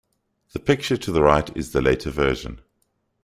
The picture to the right is the later version.